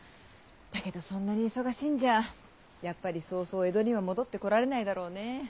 だけどそんなに忙しいんじゃやっぱりそうそう江戸には戻ってこられないだろうねぇ。